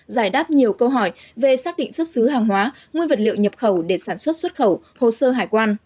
giải đáp nhiều câu hỏi về xác định xuất xứ hàng hóa nguyên vật liệu nhập khẩu để sản xuất xuất khẩu hồ sơ hải quan